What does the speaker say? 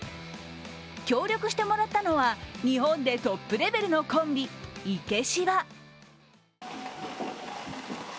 協力してもらったのは日本でトップレベルのコンビイケシバ。